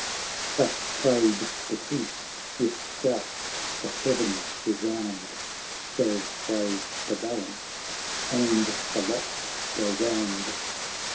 Thus prayed the Chief, with shouts the heavens resound ; Jove weighs the balance and the lots go round